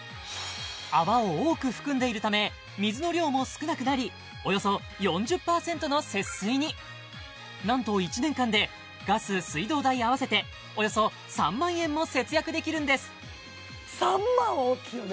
泡を多く含んでいるため水の量も少なくなりおよそ４０％の節水に何と１年間でガス水道代合わせておよそ３万円も節約できるんです３万大きいよね